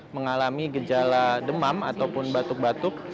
mengalami gejala demam ataupun batuk batuk